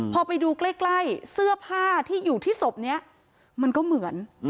พอไปดูใกล้เสื้อผ้าที่อยู่ที่ศพนี้มันก็เหมือน